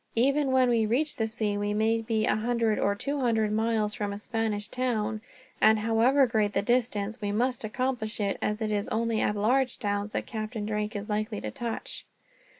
Even when we reach the sea, we may be a hundred or two hundred miles from a large Spanish town; and however great the distance, we must accomplish it, as it is only at large towns that Captain Drake is likely to touch."